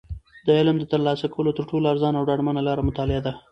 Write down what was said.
د علم د ترلاسه کولو تر ټولو ارزانه او ډاډمنه لاره مطالعه ده.